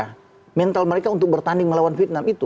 nah mental mereka untuk bertanding melawan vietnam itu